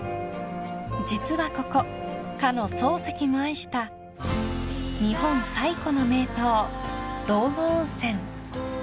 ［実はここかの漱石も愛した日本最古の名湯道後温泉］